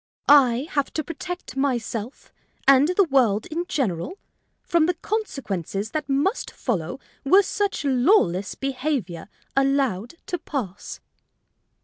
"I have to protect myself and the world in general from the consequences that must follow were such lawless behavior allowed to pass."